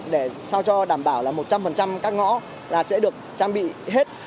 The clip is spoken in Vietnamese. để sao cho đảm bảo là một trăm linh các ngõ là sẽ được trang bị hết